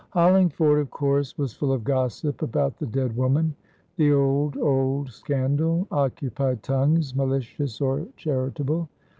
Hollingford, of course, was full of gossip about the dead woman. The old, old scandal occupied tongues malicious or charitable.